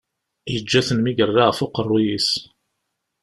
Yeǧǧa-ten mi yerra ɣef uqerruy-is.